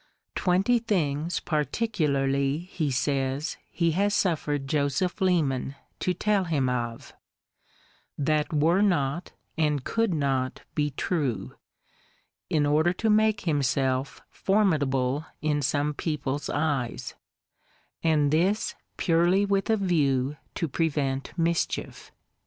Twenty things, particularly, he says, he has suffered Joseph Leman to tell him of, that were not, and could not be true, in order to make himself formidable in some people's eyes, and this purely with a view to prevent mischief.